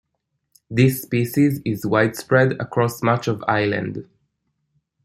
This species is widespread across much of Island.